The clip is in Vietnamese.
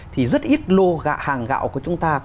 thì rất ít lô hàng gạo của chúng ta